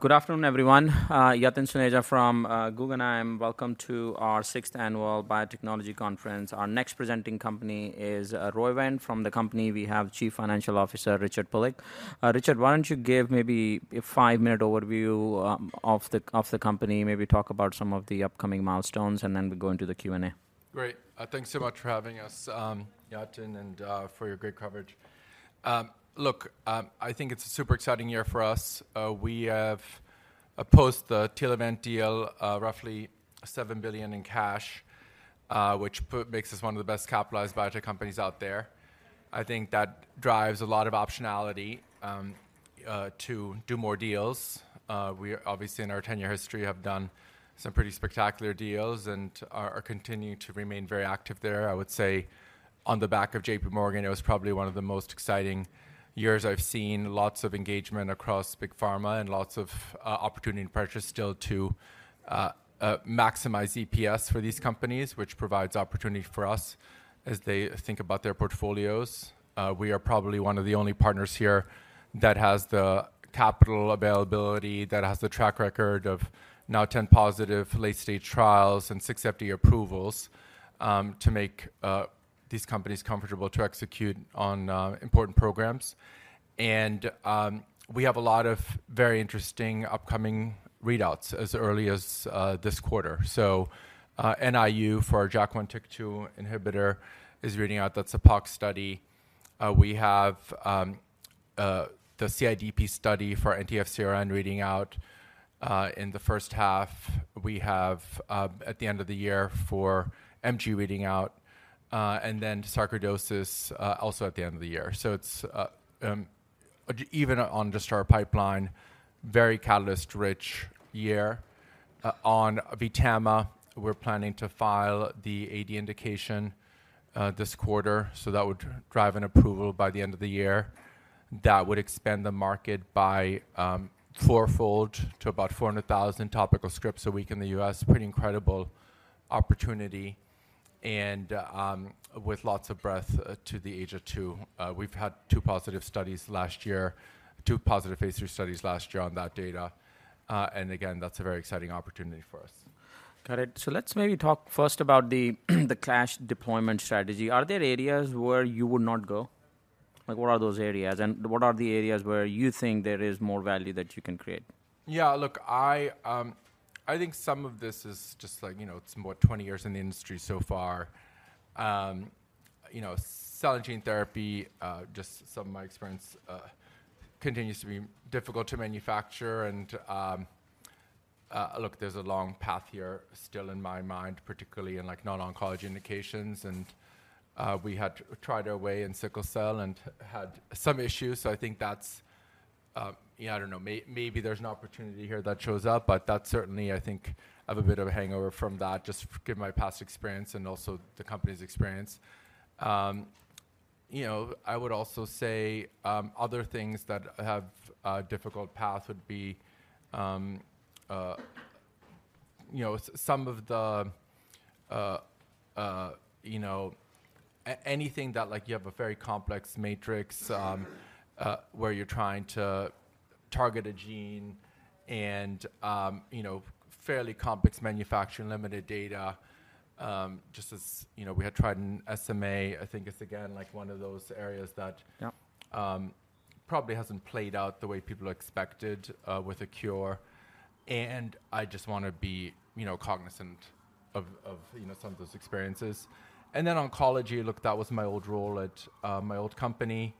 Good afternoon, everyone. Yatin Suneja from Guggenheim. Welcome to our sixth annual Biotechnology Conference. Our next presenting company is Roivant. From the company, we have Chief Financial Officer, Richard Pulik. Richard, why don't you give maybe a five-minute overview of the company, maybe talk about some of the upcoming milestones, and then we'll go into the Q&A? Great. Thanks so much for having us, Yatin, and for your great coverage. Look, I think it's a super exciting year for us. We have, post the Telavant deal, roughly $7 billion in cash, which makes us one of the best capitalized biotech companies out there. I think that drives a lot of optionality to do more deals. We obviously, in our 10-year history, have done some pretty spectacular deals and are continuing to remain very active there. I would say on the back of JPMorgan, it was probably one of the most exciting years I've seen. Lots of engagement across big pharma and lots of opportunity and pressure still to maximize EPS for these companies, which provides opportunity for us as they think about their portfolios. We are probably one of the only partners here that has the capital availability, that has the track record of now 10 positive late-stage trials and six FDA approvals, to make these companies comfortable to execute on important programs. We have a lot of very interesting upcoming readouts as early as this quarter. NIU for our JAK1/TYK2 inhibitor is reading out. That's a POC study. We have the CIDP study for anti-FcRn reading out in the first half. We have at the end of the year for MG reading out, and then sarcoidosis also at the end of the year. So it's even on just our pipeline, very catalyst-rich year. On VTAMA, we're planning to file the AD indication this quarter, so that would drive an approval by the end of the year. That would expand the market by fourfold to about 400,000 topical scripts a week in the U.S. Pretty incredible opportunity and with lots of breadth to the age of two. We've had two positive studies last year, two positive phase II studies last year on that data. And again, that's a very exciting opportunity for us. Got it. Let's maybe talk first about the cash deployment strategy. Are there areas where you would not go? Like, what are those areas, and what are the areas where you think there is more value that you can create? Yeah, look, I think some of this is just like, you know, it's more 20 years in the industry so far. You know, cell and gene therapy, just some of my experience, continues to be difficult to manufacture. And look, there's a long path here still in my mind, particularly in, like, non-oncology indications. And we had tried our way in sickle cell and had some issues, so I think that's, yeah, I don't know, maybe there's an opportunity here that shows up, but that certainly, I think, I have a bit of a hangover from that, just given my past experience and also the company's experience. You know, I would also say, other things that have a difficult path would be, you know, some of the, you know, anything that, like, you have a very complex matrix, where you're trying to target a gene and, you know, fairly complex manufacturing, limited data. Just as, you know, we had tried in SMA, I think it's again, like one of those areas that probably hasn't played out the way people expected, with a cure. And I just wanna be, you know, cognizant of, you know, some of those experiences. And then oncology, look, that was my old role at, my old company.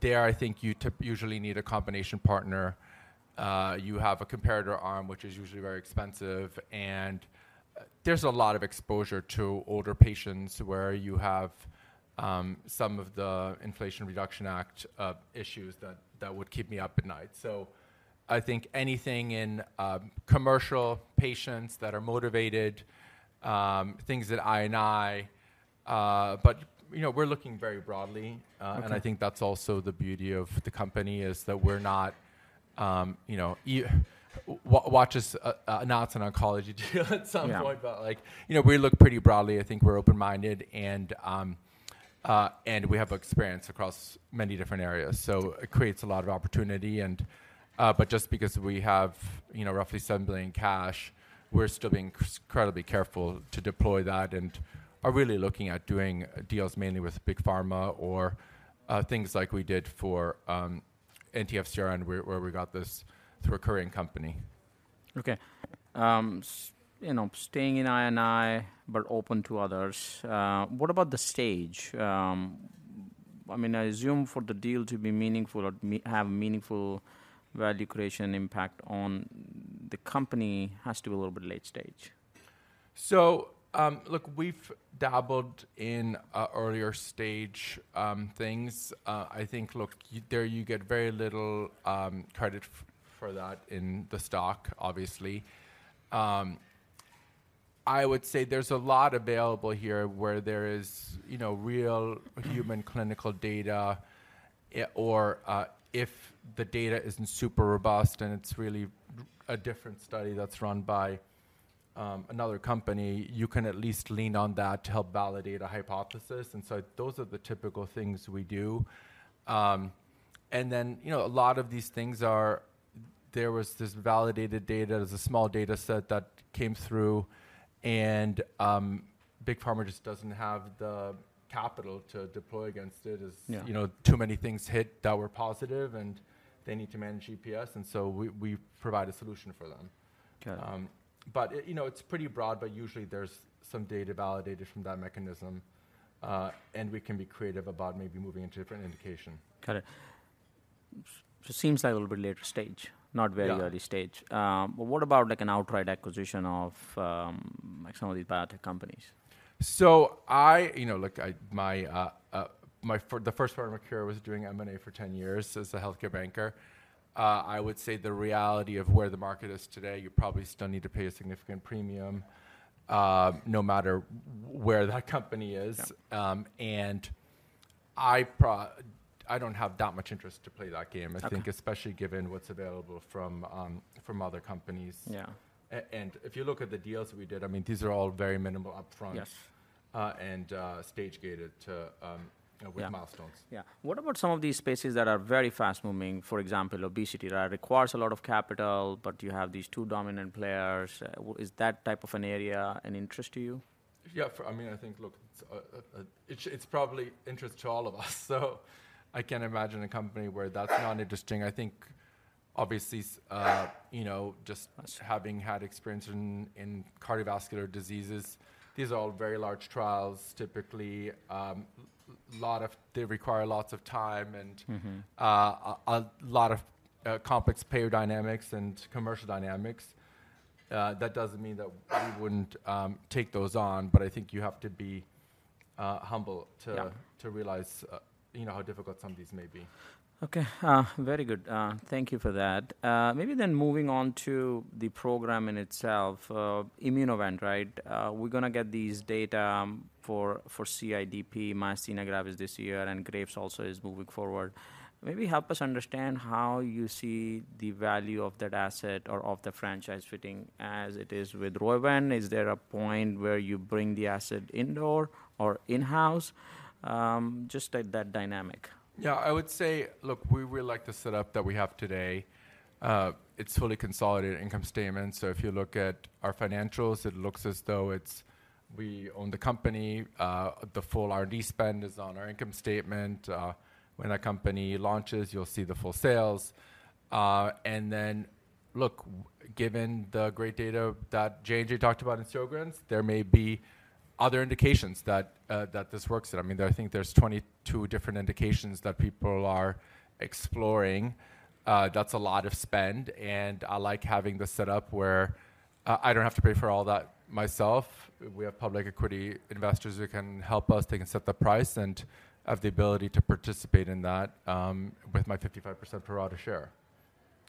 There, I think you usually need a combination partner. You have a comparator arm, which is usually very expensive, and, there's a lot of exposure to older patients, where you have, some of the Inflation Reduction Act, issues that would keep me up at night. So I think anything in, commercial patients that are motivated, things at I&I. But, you know, we're looking very broadly. Okay. And I think that's also the beauty of the company, is that we're not, you know, watch us announce an oncology deal at some point. Yeah. But like, you know, we look pretty broadly. I think we're open-minded and we have experience across many different areas, so it creates a lot of opportunity, but just because we have, you know, roughly $7 billion cash, we're still being incredibly careful to deploy that and are really looking at doing deals mainly with big pharma or things like we did for anti-FcRn, where we got this through a Korean company. Okay. You know, staying in I&I, but open to others, what about the stage? I mean, I assume for the deal to be meaningful or have meaningful value creation impact on the company, it has to be a little bit late stage. Look, we've dabbled in earlier stage things. I think, look, there you get very little credit for that in the stock, obviously. I would say there's a lot available here where there is, you know, real human clinical data, or if the data isn't super robust and it's really a different study that's run by another company, you can at least lean on that to help validate a hypothesis. And so those are the typical things we do. And then, you know, a lot of these things are. There was this validated data. There's a small data set that came through, and big pharma just doesn't have the capital to deploy against it, as you know, too many things hit that were positive, and they need to manage EPS, and so we, we provide a solution for them. Okay. But, you know, it's pretty broad, but usually there's some data validated from that mechanism, and we can be creative about maybe moving into a different indication. Got it. So seems like a little bit later stage not very early stage. But what about, like, an outright acquisition of, like some of these biotech companies? You know, look, the first part of my career was doing M&A for 10 years as a healthcare banker. I would say the reality of where the market is today, you probably still need to pay a significant premium, no matter where that company is. I don't have that much interest to play that game. Okay. I think, especially given what's available from other companies. Yeah. If you look at the deals we did, I mean, these are all very minimal upfront. Yes. And stage-gated with milestones. Yeah. What about some of these spaces that are very fast-moving, for example, obesity, that requires a lot of capital, but you have these two dominant players. Is that type of an area an interest to you? Yeah, I mean, I think, look, it's probably interesting to all of us. So I can't imagine a company where that's not interesting. I think obviously, you know, just having had experience in, in cardiovascular diseases, these are all very large trials. Typically, they require lots of time and a lot of complex payer dynamics and commercial dynamics. That doesn't mean that we wouldn't take those on, but I think you have to be humble to realize, you know, how difficult some of these may be. Okay. Very good. Thank you for that. Maybe then moving on to the program in itself, Immunovant, right? We're gonna get these data for CIDP, myasthenia gravis this year, and Graves' also is moving forward. Maybe help us understand how you see the value of that asset or of the franchise fitting as it is with Roivant. Is there a point where you bring the asset indoor or in-house? Just like that dynamic. Yeah, I would say, look, we really like the setup that we have today. It's fully consolidated income statement, so if you look at our financials, it looks as though it's we own the company, the full R&D spend is on our income statement. When a company launches, you'll see the full sales. And then, look, given the great data that J&J talked about in Sjögren's, there may be other indications that that this works. I mean, I think there's 22 different indications that people are exploring. That's a lot of spend, and I like having the setup where I don't have to pay for all that myself. We have public equity investors who can help us. They can set the price, and I have the ability to participate in that with my 55% pro rata share.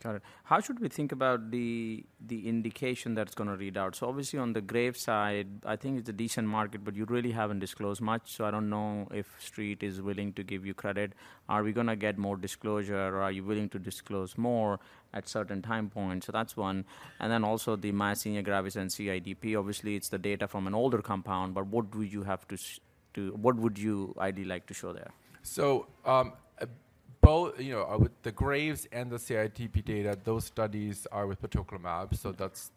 Got it. How should we think about the indication that's gonna read out? So obviously, on the Graves' side, I think it's a decent market, but you really haven't disclosed much, so I don't know if Street is willing to give you credit. Are we gonna get more disclosure, or are you willing to disclose more at certain time points? So that's one. And then also the myasthenia gravis and CIDP. Obviously, it's the data from an older compound, but what would you ideally like to show there? So, both, you know, with the Graves' and the CIDP data, those studies are with batoclimab, so that's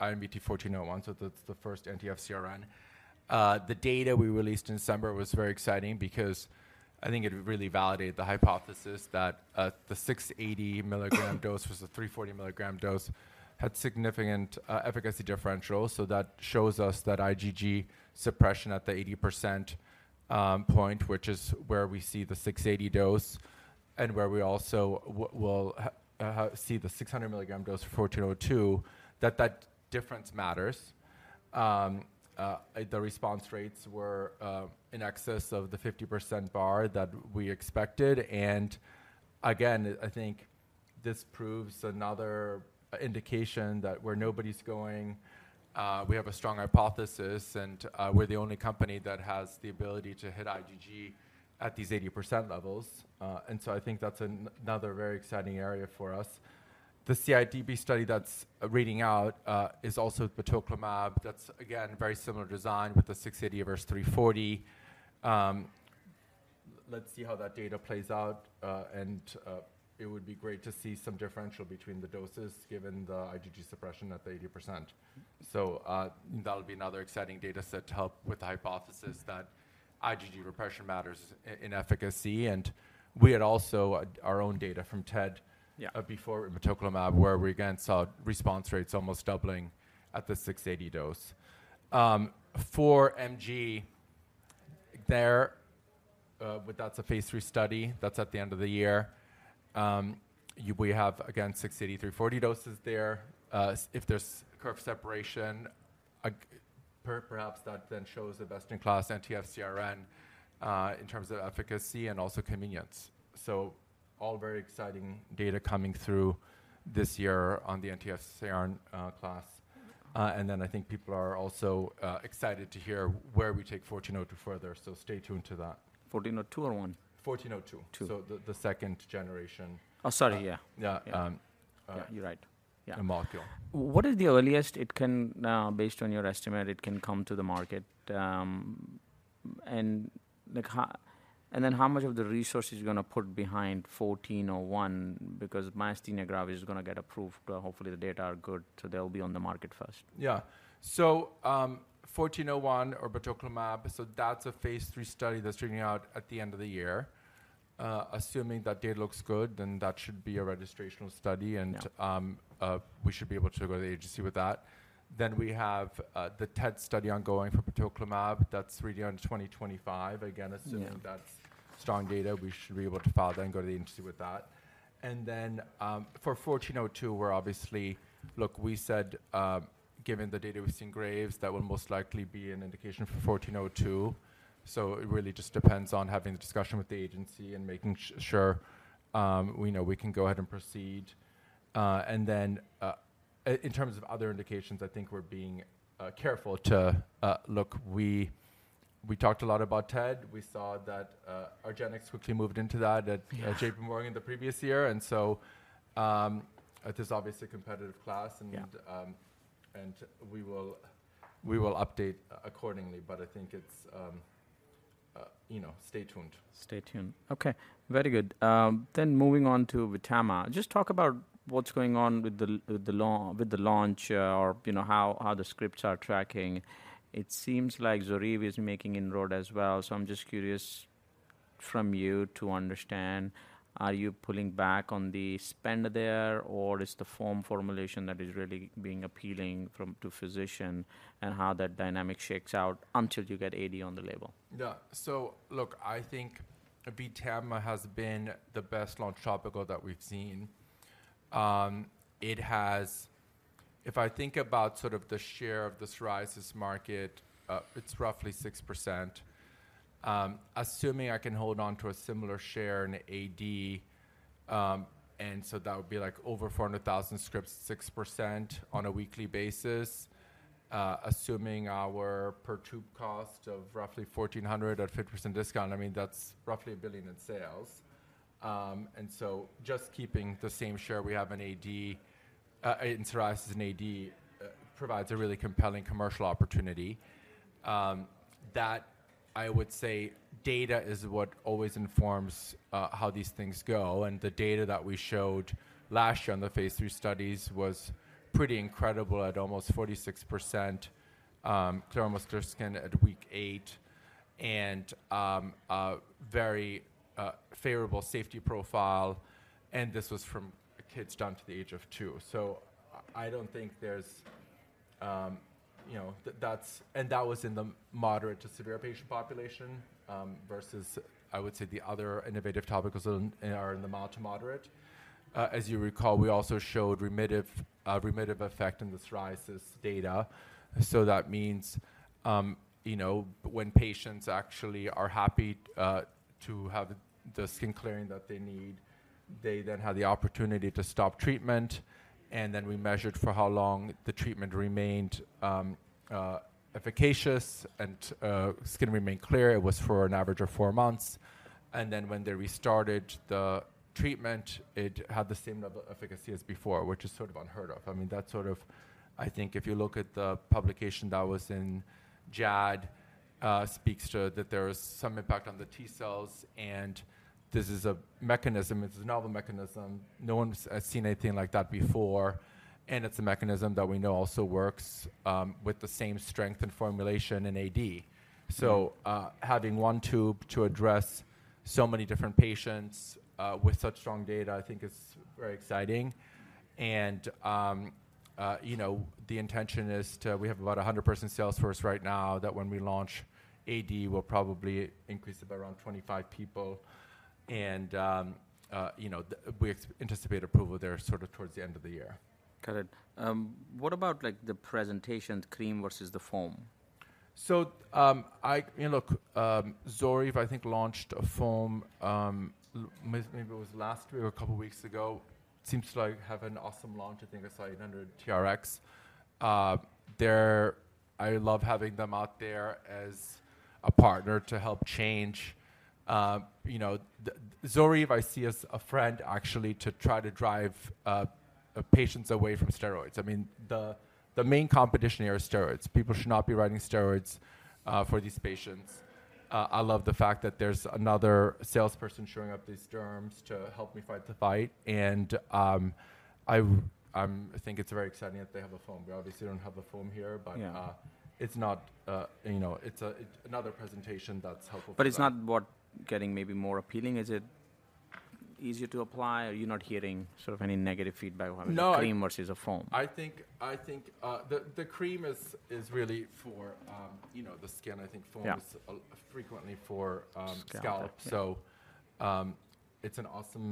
IMVT-1401, so that's the first anti-FcRn. The data we released in December was very exciting because I think it really validated the hypothesis that the 680 mg dose versus the 340 mg dose had significant, efficacy differential. So that shows us that IgG suppression at the 80%, point, which is where we see the 680 mg dose, and where we also will, see the 600 mg dose of 1402, that that difference matters. The response rates were in excess of the 50% bar that we expected, and again, I think this proves another indication that where nobody's going, we have a strong hypothesis, and we're the only company that has the ability to hit IgG at these 80% levels. And so I think that's another very exciting area for us. The CIDP study that's reading out is also batoclimab. That's, again, very similar design with the 680 mg versus 340 mg. Let's see how that data plays out, and it would be great to see some differential between the doses, given the IgG suppression at the 80%. So, that'll be another exciting data set to help with the hypothesis that IgG repression matters in efficacy. And we had also our own data from TED before with batoclimab, where we again saw response rates almost doubling at the 680 mg dose. For MG, there, that's a phase III study, that's at the end of the year. We have, again, 680 mg, 340 mg doses there. If there's curve separation, perhaps that then shows the best-in-class anti-FcRn, in terms of efficacy and also convenience. So all very exciting data coming through this year on the anti-FcRn class. And then I think people are also, excited to hear where we take 1402 further, so stay tuned to that. 1402 or 1401? 1402, so the second generation. Oh, sorry. Yeah. Yeah, um- Yeah, you're right. Yeah. The molecule. What is the earliest it can now, based on your estimate, it can come to the market, and like how, and then how much of the resources you're gonna put behind fourteen oh one? Because myasthenia gravis is gonna get approved, but hopefully the data are good, so they'll be on the market first. Yeah. So, 1401 or batoclimab, so that's a phase III study that's starting out at the end of the year. Assuming that data looks good, then that should be a registrational study, we should be able to go to the agency with that. Then we have the TED study ongoing for batoclimab. That's really on 2025. Again, assuming that's strong data, we should be able to file, then go to the agency with that. And then, for 1402, we're obviously. Look, we said, given the data we've seen Graves, that will most likely be an indication for 1402. So it really just depends on having the discussion with the agency and making sure we know we can go ahead and proceed. And then, in terms of other indications, I think we're being careful to, look, we talked a lot about TED. We saw that, argenx quickly moved into that at JPMorgan the previous year, and so, it is obviously a competitive class, and we will update accordingly, but I think it's, you know, stay tuned. Stay tuned. Okay, very good. Then moving on to VTAMA. Just talk about what's going on with the launch, or, you know, how the scripts are tracking. It seems like Zoryve is making inroads as well, so I'm just curious from you to understand, are you pulling back on the spend there, or is the foam formulation that is really being appealing to physicians, and how that dynamic shakes out until you get AD on the label? Yeah. So look, I think VTAMA has been the best-launched topical that we've seen. If I think about sort of the share of the psoriasis market, it's roughly 6%. Assuming I can hold on to a similar share in AD, and so that would be like over 400,000 scripts, 6% on a weekly basis, assuming our per tube cost of roughly $1,400 at 50% discount, I mean, that's roughly $1 billion in sales. And so just keeping the same share we have in AD, in psoriasis and AD, provides a really compelling commercial opportunity. That, I would say, data is what always informs how these things go, and the data that we showed last year on the phase III studies was pretty incredible at almost 46% clear or almost clear skin at week eight, and a very favorable safety profile, and this was from kids down to the age of two. So I don't think there's, you know. And that was in the moderate to severe patient population versus, I would say, the other innovative topicals are in the mild to moderate. As you recall, we also showed remittive effect in the psoriasis data. So that means, you know, when patients actually are happy to have the skin clearing that they need, they then have the opportunity to stop treatment, and then we measured for how long the treatment remained efficacious and skin remained clear. It was for an average of four months. And then when they restarted the treatment, it had the same level of efficacy as before, which is sort of unheard of. I mean, that's sort of, I think if you look at the publication that was in JAD, speaks to that there is some impact on the T-cells, and this is a mechanism. It's a novel mechanism. No one's seen anything like that before, and it's a mechanism that we know also works with the same strength and formulation in AD. So, having one tube to address so many different patients with such strong data, I think is very exciting. And, you know, the intention is to, we have about a 100-person sales force right now, that when we launch AD, we'll probably increase it by around 25 people, and, you know, we anticipate approval there sort of towards the end of the year. Got it. What about, like, the presentation, the cream versus the foam? So, You know, look, Zoryve, I think, launched a foam, maybe it was last week or a couple of weeks ago. Seems to, like, have an awesome launch. I think it's like under TRX. They're-- I love having them out there as a partner to help change. You know, the, Zoryve, I see as a friend actually, to try to drive, patients away from steroids. I mean, the, the main competition here is steroids. People should not be writing steroids, for these patients. I love the fact that there's another salesperson showing up these terms to help me fight the fight, and, I've, I think it's very exciting that they have a foam. We obviously don't have the foam here, but it's not, you know, it's a, it's another presentation that's helpful. But it's not what's getting maybe more appealing. Is it easier to apply, or are you not hearing sort of any negative feedback- No -on the cream versus a foam? I think the cream is really for, you know, the skin. Yeah. I think foam is frequently for Scalp Scalp. So, it's an awesome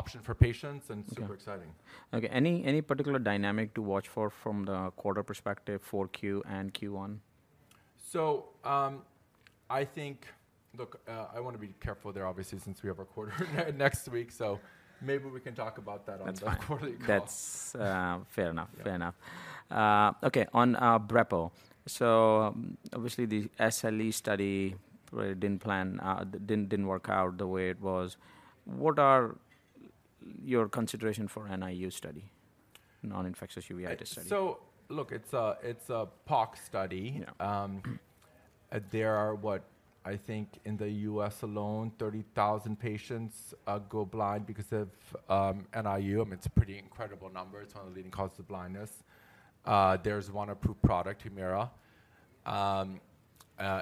option for patients and super exciting. Okay. Any particular dynamic to watch for from the quarter perspective for Q and Q1? So, I think, look, I wanna be careful there, obviously, since we have our quarter next week, so maybe we can talk about that on the quarterly call. That's fair enough. Yeah. Fair enough. Okay, on brepo. So obviously, the SLE study really didn't pan out the way it was. What are your consideration for NIU study, non-infectious uveitis study? So look, it's a POC study. Yeah. There are, what, I think in the U.S. alone, 30,000 patients go blind because of NIU. It's a pretty incredible number. It's one of the leading causes of blindness. There's one approved product, Humira.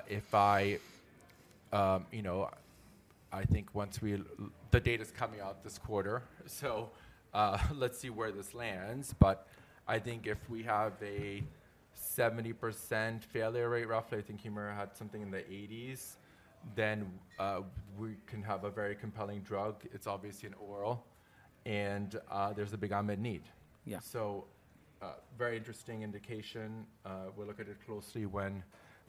If I, you know, I think once the data's coming out this quarter, so, let's see where this lands. But I think if we have a 70% failure rate, roughly, I think Humira had something in the 80s, then we can have a very compelling drug. It's obviously an oral, and there's a big unmet need. Yeah. So, very interesting indication. We'll look at it closely when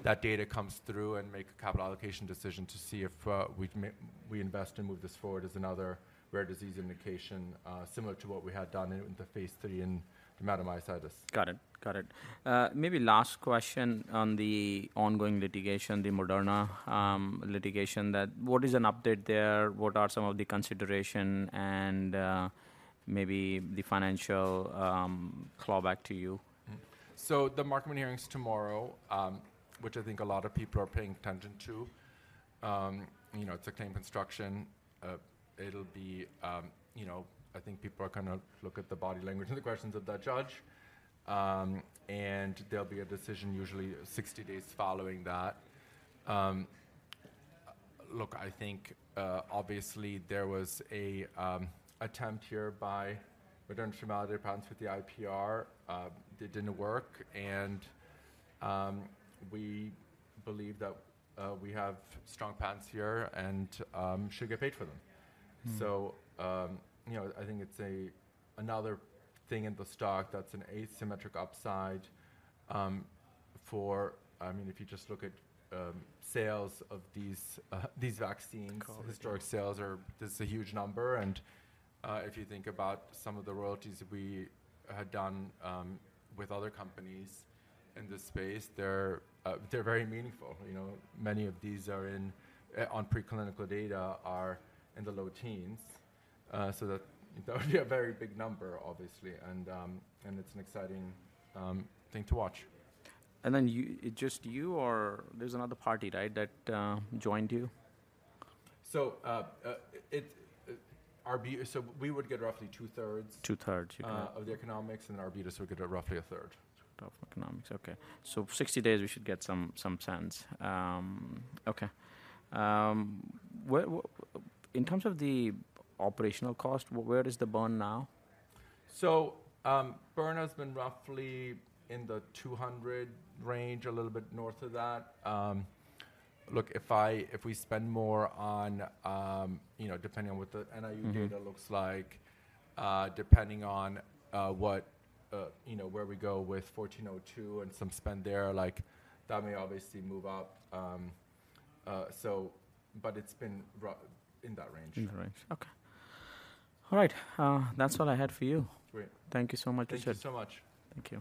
that data comes through and make a capital allocation decision to see if we can invest and move this forward as another rare disease indication, similar to what we had done in the phase III in myasthenia. Got it. Got it. Maybe last question on the ongoing litigation, the Moderna litigation, what is an update there? What are some of the consideration and maybe the financial clawback to you? So the Markman hearing is tomorrow, which I think a lot of people are paying attention to. You know, it's a claim construction. It'll be, you know, I think people are gonna look at the body language and the questions of that judge. And there'll be a decision usually 60 days following that. Look, I think, obviously, there was an attempt here by Moderna to challenge their patents with the IPR. It didn't work, and we believe that we have strong patents here and should get paid for them. So, you know, I think it's a another thing in the stock that's an asymmetric upside, for, I mean, if you just look at sales of these, these vaccines- Correct. Historic sales are, this is a huge number, and, if you think about some of the royalties we had done, with other companies in this space, they're, they're very meaningful. You know, many of these are in, on preclinical data, are in the low teens. So that that would be a very big number, obviously, and, and it's an exciting, thing to watch. Then you, it's just you or there's another party, right, that joined you? So, Arbutus—so we would get roughly 2/3- 2/3, yeah. of the economics, and Arbutus would get roughly 1/3. Of economics. Okay. So 60 days, we should get some, some sense. Okay. Where, in terms of the operational cost, where is the burn now? Burn has been roughly in the $200 range, a little bit north of that. Look, if we spend more on, you know, depending on what the NIU data looks like, depending on what you know, where we go with 1402 and some spend there, like, that may obviously move up, so... But it's been roughly in that range. Okay. All right, that's all I had for you. Great. Thank you so much, Richard Thank you so much. Thank you.